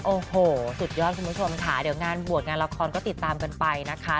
โอ้โหสุดยอดคุณผู้ชมค่ะเดี๋ยวงานบวชงานละครก็ติดตามกันไปนะคะ